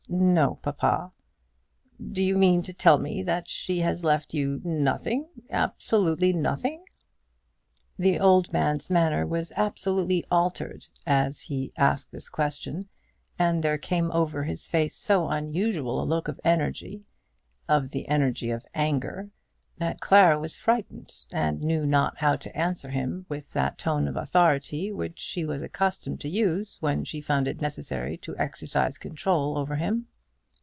"No, papa." "Do you mean to tell me that she has left you nothing, absolutely nothing?" The old man's manner was altogether altered as he asked this question; and there came over his face so unusual a look of energy, of the energy of anger, that Clara was frightened, and knew not how to answer him with that tone of authority which she was accustomed to use when she found it necessary to exercise control over him.